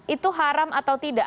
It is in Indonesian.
itu haram atau tidak